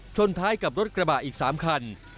ชนท้ายกับรถกระบะอีก๓คัน